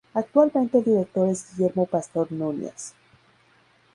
Actualmente el director es Guillermo Pastor Núñez.